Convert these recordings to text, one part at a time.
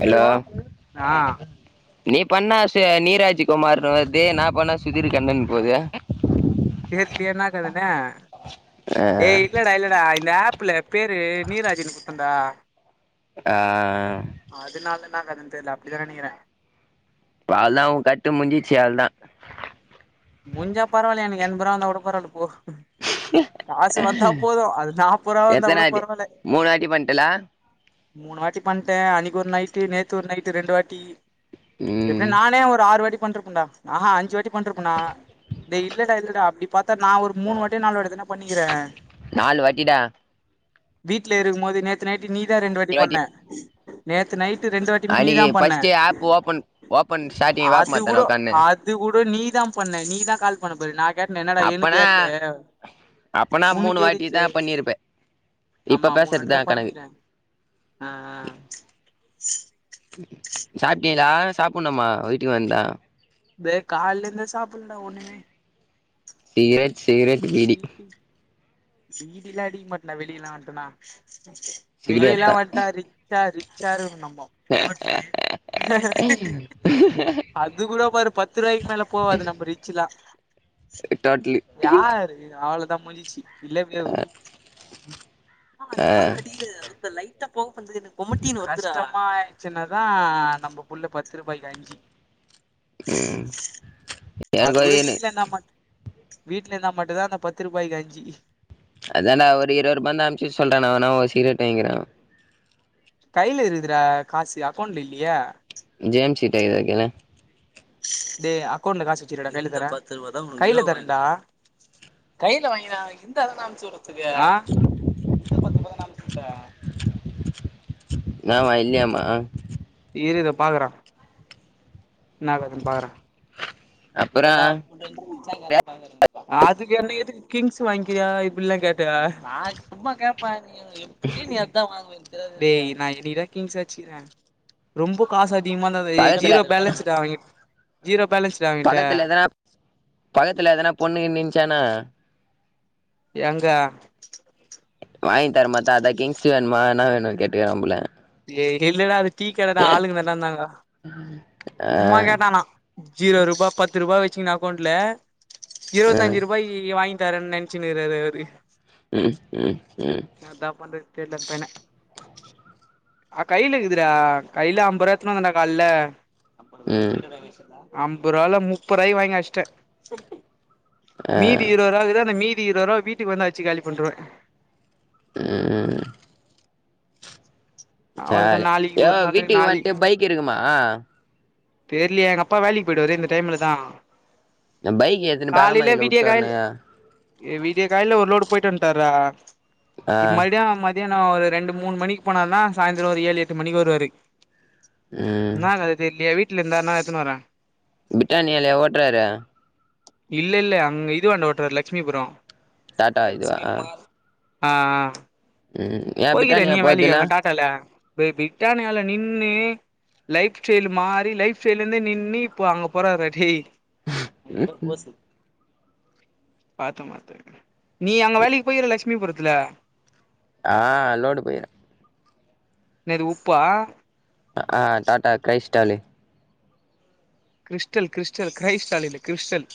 hello இப்போ ஆ நீ பண்ணா ச நீராஜ் குமார்ன்னு வர்து நா பண்ணா சுதீர் கண்ணனு போது தெர்லயே என்னா கதனு ஏய் இல்லடா இல்லடா இந்த ஆப் ஆப்புல பேரு நீராஜுன்னு குடுத்தன்டா ஆ ஆ ஆ அதனால என்னா கதனு தெர்ல அப்டிதா நெனைக்கிறே அவ்ளதா ஒ கட்டு முஞ்சிச்சி அவ்ளதா முஞ்சா பரவாயில்ல எனக்கு என்புறோ வந்தா கூட பரவால்ல போ காசு வந்தா போது அது நாப்பது ருவா வந்தா எத்தன கூட வாட்டி பரவால்ல மூணு வாட்டி பண்ட்டல மூணு வாட்டி பண்ட்டே அன்னக்கு ஒரு நைட்டு நேத்து ஒரு நைட்டு ரெண்டு வாட்டி ம் எப்டி நானே ஒரு ஆறு வாட்டி பண்ருப்பன்டா ஆஹா அஞ்சு வாட்டி பண்ருப்ப டேய் இல்லடா இல்லடா அப்டி பாத்தா நா ஒரு மூணு வாட்டியோ நாலு வாட்டியோ தான பண்ணிகிறே நாலு வாட்டிடா நாலு வீட்ல இருக்கும் போது நேத்து நைட்டு நீ தா ரெண்டு வாட்டி பண்ண நேத்து நைட் டு ரெண்டு வாட்டியுமே நீ தா அன்னைக்கு பண்ண first app open open starting அது வேப்பமரத்தாண்ட கூடோ உக்கான்னு அது கூட நீ பண்ண நீ தா கால் பண்ணபாரு நா கேட்னே என்னடா எனுக்கு அப்பனா ஏற்ல அப்பனா மூணு வாட்டி உனுக்கேருச்சு தா பண்ணிருப்ப இப்ப ஆமா மூணு பேசுறதுதா வாட்டிதா கணக்கு பண்ணிகிறே ஆ ஆ சாப்ட்டீங்ளா சாப்பணுமா வீட்டுக்கு வந்தா வே காலந்தே சாப்பல்ல ஒண்ணுமே சிகரட் சிகரட் பீடி சீடிலா அடிக்க மாட்னே வெளியலா வன்டனா சிகரெட் வெளியலா தா வன்டா ரிச்சா ரிச்சா இருக்கனு நம்மோ ம் அது கூட பாரு பத்து ரூவாய்க் மேல போவாது நம்ம ரிச்லா டோட்லி யாரு அவ்ளோதா முஞ்சிச்சி இல்ல வேவு ஆ [unintelligible] ஆய் சின்னதா நம்ப புள்ள பத்து ரூபாய்க்கு அஞ்சி ம் அது கூட [unintelligible] வீட்ல இருந்தா மட் வீட்ல இந்தா மட்டுதா அந்த பத்து ரூபாய்கு அஞ்சி அத்தான்டா ஒரு இருவருபாந்தா அம்சிட் சொல்றா நா வொனா ஒர் சீரெட் வாய்கிற கைல இருகுதுறா காசு அக்கொண்ட்ல இல்லியே ஜேம்ச்சிட்ட இர்தா கேளு டே அக்கொண்ல காஸ் வச்சிரியா டா கைல தர கைல தரண்டா கைல வாங்கிதா இந்தாதான அம்சுறது இந்த பத்து ரூபா தான்டா அம்ச்சுட்ட ன்னவா இல்யாமா இரிரு பாக்குற ன்னாவேணுன் பாகுற அப்புறோ [unintelligible] அதுக்கு என்ன எதுக்கு கிங்ஸு வாங்கிர்யா இப்பிட்லாகேட்ட நா சும்மா கேப்ப நீ எப்புடி நீ அத்தா வாங்குவ எனக்கு தெரியாது டே நா என்னிக்கினா கிங்ஸ் அச்சிக்ற ரொம்பொ காசாச் [unintelligible] ஏ பக்கத்துல ஜீரோ பேலன்ஸு டா அவங்கிட் ஜீரோ பேலன்ஸ் டா அவங்கிட் [unintelligible] பகத்துல எதனா பொண்ணு கின் நின்சானா ஏங்க வாங்கி தரமாதா அதா கிங்ஸ் வேணுமா என்ன வேணுனு கேட்டுக்குரான் போல இல்லடா அது டீ கடடா ஆளுக்கு தான்டா இந்தாங்க ஆ ஆ சும்மா கேட்டானா ஜீரோ ரூபா பத்து ரூபா வெச்சுகின் அக்கோண்ட்ல இருவத்தஞ்சு ரூபாய்கி வாயி தரன் நென்சுன்னுருறாரு அவுரு உஹ் உஹ் உஹ் பண்றது தெர்ல பென அ கைலக்குது டா கைல அம்பொரா எத்துனு வந்தடா கால்ல ம் அம்பொருவால முப்பொராக்கி வாங்கி அஷ்ட ஆ மீதி இரோரா இகுது அந்த மீதி இரோரா வீட்டுக் வந்து அச்சி காலி பண்ருவ ம் ம் அவ்ளதா நாளைக்கு [unintelligible] ஏ வா ஒரு நாளு வீட்டுக்கு வன்டு பைக் இருக்குமா தெர்லியே எங்கப்பா வேலிக்கு போய்டுவாரு இந்த டைம்ல தா எம் பைக் ஏத்துனு பாலா மதில உட்டு வர்னு ஏ விடிய காயில ஒரு லோடு போய்ட்டு வண்டார்ரா ஆ இப்ப மருடியூ மத் தியானோ ஒரு ரெண்டு மூணு மணிக் போனார்னா சாய்ந்தரொ ஒரு ஏழு எட்டு மணிக்கு வருவாரு ம் ன்னா கத தெர்லியே வீட்ல இருந்தார்னா எத்துனு வர பிட்டானியாலயா ஓட்றாரு இல்ல இல்ல அங்க இது வாண்ட ஓட்றார் லக்சுமிபுரொம் டாட்டா இதுவா ஆ ஆ ம் ஏ போய்க்கிரியா பிரிட்டானியா நீயு வேலக்கி போறதில்ல அங்க டாட்டால பே பிட்டானியால நின்னு லைப் ஸ்டெய்லு மாறி லைப் ஸ்டைலேந்தே நின்னு இப்போ அங்க போறட்றா டேய் அங்க பாரு ம் போஸு பாத்த பாத்த நீ அங்க வேகிக்கி போய்கிற லக்சுமிபுரத்துல ஆ லோடு போயிர இன்னது உப்பா அ ஆ Tata crystal crystal crystal crystal இல்ல கிறிஸ்டல்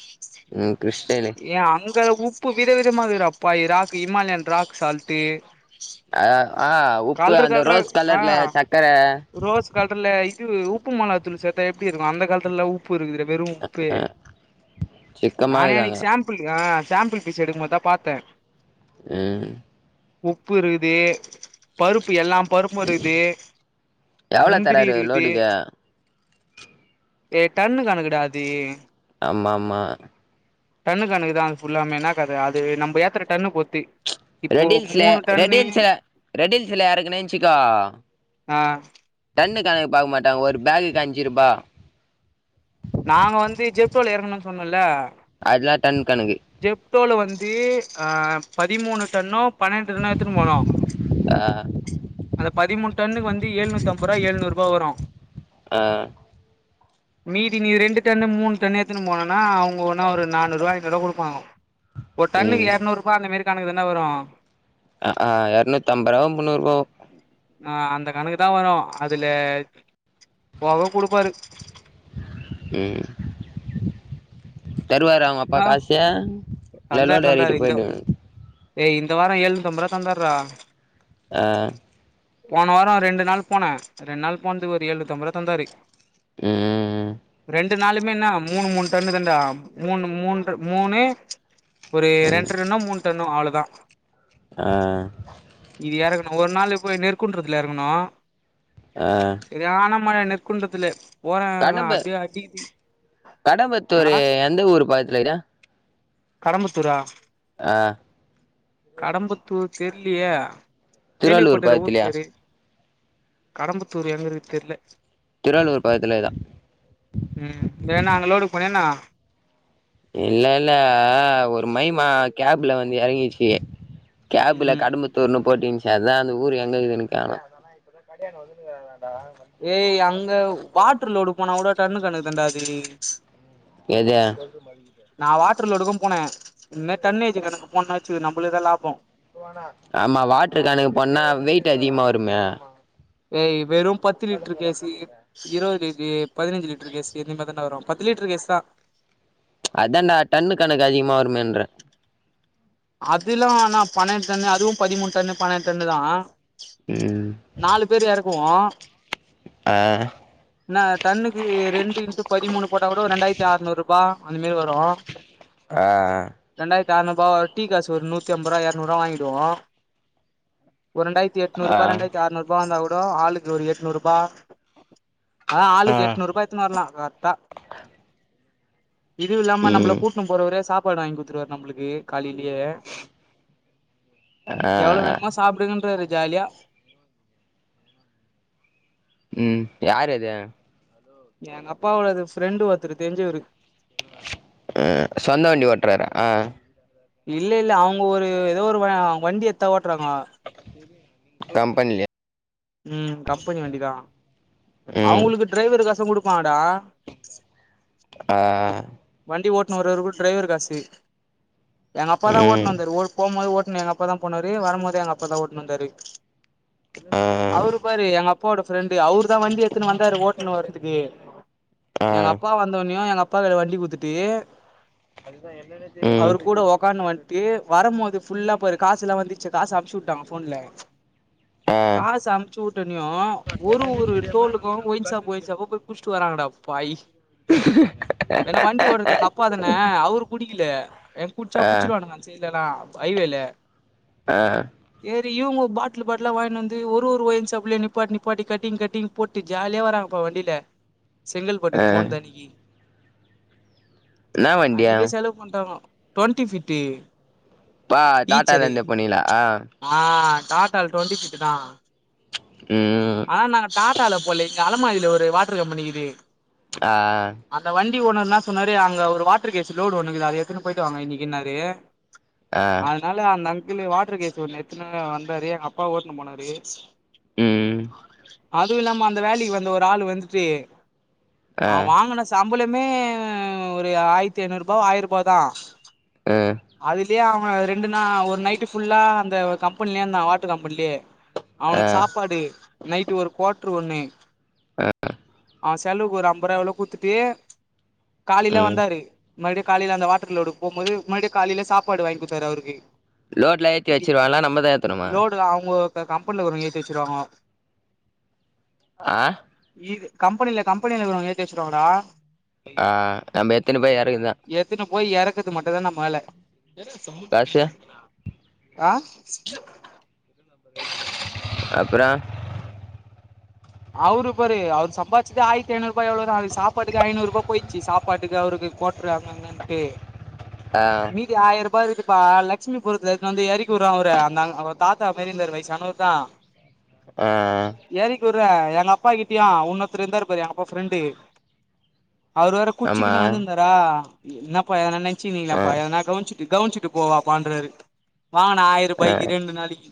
ம் கிறிஸ்டலு ஏ அங் செல உப்பு வித விதமா க்குதுறா பைராக்கு இமால்யன் ராக் சால்ட்டு் ஆ ஆ உப்பு கல்ரு அந்த கல்ராக் ரோஸ் ஆ கலர்ல சக்கர ரோஸ் கல்ருல உப்பு மொளத்தூளு சேத்தா எப்டி இருக்கு அந்த கால்த்துல்லா உப் உப்பு இருக்குதுற வெறு உப்பே நானே சிக்கமாக்குதாங்க அனிக்கி சேம்புள் ஆ சேம்பிள் பீஸ் எடுக்குமோத்தா பாத்த ம் உப்பு இருக்குது பருப்பு எல்லாம் பருப்பு மோர் இருக்தே எவ்ளோ முந்திரி தராரு இருக்தே லோடுக்கு ஏ டன்னு கணக்குடா அது ஆமாமா டன்னு கணக்குதா அது ஃபுல்லாமே என்னாகத அது நம்ம ஏத்துற டன்னப் பொறுத்து இப்போ ரெட்ஹில்ஸ்ல மூணு டன்னு ரெட்ஹில்ஸ்ல ரெட்ஹில்ஸ் கீழ எறக்குனேன்னு வச்சிக்கோ ஆ தட்டி டன்னு கணக்கு பாக்க மாட்டாங்க ஒரு பேக்குக்கு அஞ்சி ருபா நாங்க வந்து ஜெப்டோல எறக்கணுன்னு சொன்னல்ல அத டன் கணக்கு ஜெப்டோல வந்து ஆ பதிமூணு டன்னோ பன்னெண்டு டன்னோ எடுத்துன்னு போனோ ஆ அந்த பதிமூணு டன்னுக்கு வந்து எழுநூத்தம்பது ரூபா எழுநூறு ரூபா வரு ஆ மீதி நீ ரெண்டு டன்னு மூணு டன்னு ஏத்துன்னு போனனா அவுங்க ஒன்னா ஒரு நானூறு ரூபா ஐநூறு ரூபா குடு அ ஒரு டன்னுக்கு ம் எரநூறு ரூபா அந்த மாரி கணுக்குதான வரு அ ஆ எரநூத்தம்பதோ முன்னூறோ ஆ அந்த கணக்கு தா வரு அதுல போக குடுப்பாரு ம் தருவாரா உங்கப்பா ஆ காசு இல்ல தந்தாரு லோடு தந்தாரு எறகிட்டு இந்த போயி்டுவே ஏய் இந்த வாரோ ஏழுநூத்தம்பது ரூபா தந்தாருறா ஆ போன வாரோ ரெண்டு நாள் போனே ரெண்டு நாள் போனதுக்கு ஒரு ஏழுநூத்தம்பது ரூபா தந்தாரு ம் ரெண்டு நாளுமே என்ன மூணு மூணு டன்னு தாண்டா மூணு மூன்ற மூணு ஒரு ம் ரெண்டு டன்னோ மூணு டன்னோ அவ்ளோதா ஆ எறக்கணும் ஒரு நாள் போய் நெற்குன்றத்துல எறங்குனோ ஆ மழ நெற்குன்றத்துல போற கடம்ப அப்டியே அடிக்குது கடம்பத்தூரு ஆ எந்த ஊரு பாக்த்துல இருக்து கடம்பத்தூரா கடம்பத்தூர் தெர்லயே திருவள்ளூர் கேள்விப்பட்டுற ஊர் பக்கத்துலயா பேரு கடம்பத்தூர் எங்க இருக்கு தெர்ல திருவள்ளூர் பக்கத்துலதா ம் ஏன்ன அங்க லோடுக்கு போனியா என்ன இல்லல்ல ஒரு மைமா கேப்ல வந்து எறங்கிச்சி கேப்ல ம் கடம்பத்தூர்ன்னு போட்டு இருந்துச்சி அதா அந்த ஊர் எங்க இருக்குதுன்னு கேக்ன ஏய் அங்க வாட்டரு லோடு போனா கூட டன்னு கணக்கு தண்டா அது எதே ட்டர் லோடுக்கு போனே இந்த மாரி டன் ஏஜ் கணக்கு போன வச்சிக்கோ நம்மளுக்குதா லாபோ ஆமா வாட்டர் கேனுக்கு போனனா வெயிட் அதிகமா வருமே வெ வெறு பத்து லிட்டர் கேசு இ இருவது தே பதினஞ்சி லிட்டர் கேஸ் இதே மாரிதாண்ட வரு பத்து லிட்டர் கேஸ் தா அதான்டா டன்னு கணக்கு அதிகமா வருமேன்றே அதில்லா ஆனா பன்னெண்டு டன்னு அதுவு பதிமூணு டன்னு பன்னெண்டு டன்னு தா ம் நாலு பேரு எறக்குவோ ஆ என்னா தண்ணிக்கி ரெண்டு இன்டு பதிமூணு போட்டா கூட ரெண்டாயிரத்தி அறுநூறு ரூபா அந்த மாரி வரு ஆ ஆ எரநூறுபா டீக்காசு ஒரு நூத்தி அம்பது ரூபா எரநூறு ரூவா வாங்கிடுவோ ஒரு ரெண்டாயிரத்தி எட்நூறு ஆ ரூபா ரெண்டாயிரத்தி ஆறுநூறுபா வந்த கூட ஆளுக்கு ஒரு எட்நூறுரூபா அதா ஆளுக்கு எட்நூறு ரூபா எடுத்துன்ன வரலா கரெக்டா இதுவுல்லாம நம்மள ம் கூட்டுனு போறவரே சாப்பாடு வாங்கி குடுத்துருவாரு நம்ளுக்கு காலில் லியே ஆ எவ்வளவு வேணுமோ சாப்பிடுன்றாரு ஜாலியா ம் யார் அது எங்க அப்பாவது ஃப்ரெண்டு ஒருத்தரு தெரஞ்சவரு ம் சொந்த வண்டி ஓட்ரார இல்ல இல்ல அவங்க ஒரு ஏதோ ஒரு வண்டி எத்த ஓட்றாங்கோ கம்பனிில ம் கம்பெனி வண்டிதான் ம் அவங்களுக்கு டிரைவர் கசம் கொடு பாடா ஆ ஆ வண்டி ஓட்டுன்னு வருவருக்கு டிரைவர் காசு எங்க அப்பா தான் ஓட்டு ம் வந்தருஓ போும்போது ஓட்டு எங்க அப்பா தான் போனாரு வரும்போது எங்க அப்பா தான் ஓட்ன்னு வந்தாரு ஆ அவரு பாரு எங்க அப்பா அப்போட ஃப்ரெண்டு அவர் தான் வண்டி எத்துன்னு வந்தாரு ஓட்டுனு வர்துக்கு ஆ எங்க அப்பா வந்தவனோ எங்க அப்பா அப்ப வண்டி குத்துட்டு ம் அவரு கூட உக்கார் வந்ட்டு வரும்போது ஃபுல்லா போயரு காச எல்லாம் வந்துருச்சு காசு அப்பச்சு விட்டாங்க ஃபோன்ல ஆ காசு அமைச்சு விட்டனேு ஒரு ஒரு டோலுக்கும் ஒய்ிசாப்ப ஒயிச்சாப்ப போய் குச்சிட்டு வராங்கடா பாயீ ஹ வண்டிஓடுறது எங்க அப்பாதன அவரு குடிக்கல என் குடிச்சா ஆ பிச்சிருவான்க அன் சைட்ல அங்கள ஐவேல ஆ இவங்க பாட்லு பாட்லா வாங்கின்னு வந்து ஒரு ஒரு ஒயின்சாப்லயும் நிப்பாட்டி நிப்பாட்டி கட்டிங் கட்டிங் போட்டு ஜாலியா வராங்க வண்டியில செங்கல்பட்டுக்கு போன தன்னைக்கு என்ன வண்டியா அன்க்கே செலவு பண்ட்டாங்கோ டவெ்ன்டி ஃபிட்டு பா டாட்டால ஈச்சரு இருந்து போனீங்களா ஆ ஆ டாட்டா டுவென்டி ஃபிட்டு தான் ம் ஆனா நாங்க டாட்டால போல இங்க அலமாதில ஒரு வாட்டர் கம்பெனிக்குது ஆ வண்டி ஓனர் என்னா சொன்னாரு அங்க ஒரு வாட்டர் கேச லோடு ஒண்ணு இருக்குது அத எத்துன்னு போயிட்டு வாங்க இன்னைக்குன்னாரு ஆ அதனால அந்த அங்கிள் வாட்டரு கேஸ் ஒ எத்தன வந்தாரு எங்க அப்பா ஓட்டனுு போனாரு ம் அதுவும் இல்லாம அந்த வேலைக்கு வந்த ஒரு ஆள் வந்துட்டு ஆ வாங்கின ச ம்பளமே ஒரு ஆயிரத்தி ஐநூறு ரூபாய ஆயிரம் ரூபாய தான் ம் அதுலயே அவங்க ரெண்டு நா ஒரு நைட்டு் ஃபுல்லா அந்த கம்பெனிலயே இருந்தான் வாட்டர் கம்பெனிலயே ஆ அவனுக்கு சாப்பாடு நைட்டு ஒரு குவார்டரு ஒண்ணு ஆ செலவுக்கு ஒரு அம்பது ரூபா குட்த்துட்டு காலில ம் வந்தாரு மறுபடிய காலயில அந்த வாட்டர்லோடு போும்பது மறுபடிய காலயில சாப்பாடு வாங்கி கொடுத்தாரு அவருக்கு லோட்ல ஏத்தி வச்சிருவாங்களா நம்மதா ஏத்தணுமா லோடு அவங்க கம்பெனில ஏத்தி வச்சிருவாங்க ஆ இது கம்பெனியில கம்பெனிலவங்க ஏத்தி வச்சருவாங்கடா ஆ நம்ம எத்தனை பேயீ எறக்குதான் எத்துன்னு போய் எறக்குறது மட்டுும்்தான நம்ம வேல காசு ஆ அப்புற அவரு பாரு அவரு சம்பாச்சதே ஆயித்து ஐநூறூய் எவ்ளோ அது சாப்பட்டுகே ஐநூறூபா போ போயிச்சு சாப்பாட்டுக்கு அவருக்கு கோட்ரு அங்க இங்கன்னுட்டு ஆ மீதி ஆயிர ரூபா இருக்கு இப்ப லட்சுமிபுரத்துல எடுத்துவந்து எறக்கி வுடறாங்க அவர அந்தங்க தாத்தா மாரி இருந்தரு வயசானவருதா ஆ ஆ டுற எங்க அப்பா கிட்டயு உன்னொருத்தர் இருந்தாரு பாரு எங்க அப்பா ஃப்ரெண்டு அவரு வேற ஆமா குச்சிக்கின்னு வந்திருந்தாரா என்னப்பா என்னை ஆ நெனச்சிகினப எதானா கவுனுச்சு கவுனிச்சுட்டு போவபான்றரு வாங்கன ஆ ஆயிரரூபாயக்கு ரெண்டு நாளிக்கி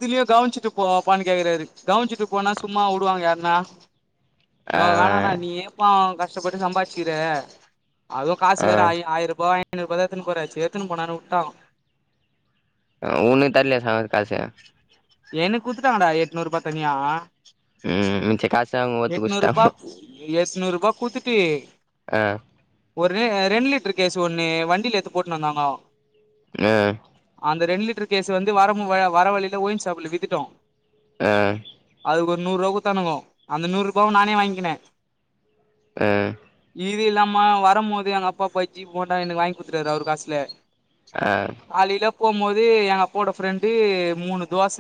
இதுலயே கவுனிச்சுட்டு போபான்னு கேக்கறாரு கவுனுச்சுட்டு போனா சும்மா வுடுவாங்க யாருனா ஆ னோ வேணானா நீயே பாவோ கஷ்டபட்டு சம்பாரிச்சிக்ற அதுவு காசு வேற ஆ ஆயருபாவோ ஐநூறூபாவோ தா எத்துகினு போற சேரி எத்துனு போடானு வுட்டாகோ உன்க்கு தர்லியா சவாரி காசு எனக் குத்துட்டாங்கடா எட்நூறு பா தனியா ம் மிச்ச காச அவுங்க ஒத்துக்குஷ்டாங்கோ எஸ்நூறுபா குத்துட்டு ஆ ஒரே ரெண்டு லிட்டரு கேசு ஒன்னு வண்டில எத்து போட்னு வந்தாங்கோ ஆ அந்த ரெண்டு லிட்டர் கேசு வந்து வரமு வர வழியில ஒய்ன் ஷாப்ல வித்துட்டோ ஆ அதுக்கு ஒரு நூறு ருபா குத்தானுகோ அந்த நூறுபாவ நானே வாங்க்கினே அ இது இல்லாம வரம் போது எங்க அப்பா பஜ்ஜி போண்டா எனக்கு வாங்கி குடுத்துட்டாரு அவரு காசுலே ஆ போம்போது எங்க அப்போட ஃப்ரெண்டு மூணு தோச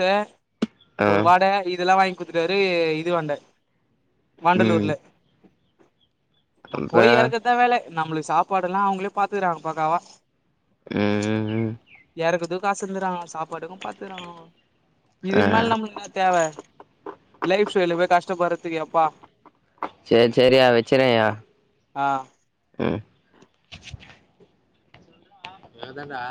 ஆ ஒரு வட இதெல்லா வாங் குடுத்துட்டாரு இதுவாண்ட ம் வண்டலூர்ல நா அப்புறோ போய் எறக்கறதா வேல நம்ளுக்கு சாப்பாடெலா அவுங்களே பாத்துக்றாங்க பாக்காவா ம் ம் எறக்கறதுக்கு காசு தந்துறாங்க சாப்பாடுக்கு பாத்துறாங்கோ ஆ இதுக்கு மேல நமளுக்கு என்ன தேவ லைஃப் வெளிய போய் கஷ்டப்படறதுக்கு எப்பா செரி செரியா வெச்சறேயா ஆ ம் எதடா